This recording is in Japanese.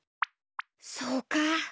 そうか！